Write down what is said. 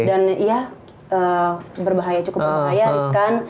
dan ya berbahaya cukup berbahaya